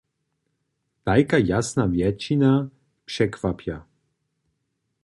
Tajka jasna wjetšina překwapja.